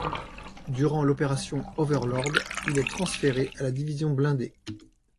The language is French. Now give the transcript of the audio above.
Durant l'opération Overlord il est transféré à la division blindée.